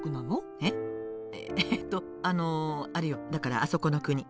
えっとあのあれよだからあそこの国。